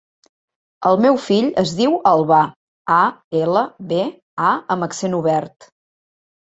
El meu fill es diu Albà: a, ela, be, a amb accent obert.